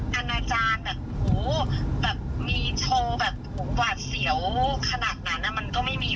เพื่อนจะมาคิดพิเคราะห์การทำงานของตัวเอง